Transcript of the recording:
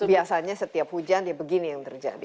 biasanya setiap hujan ya begini yang terjadi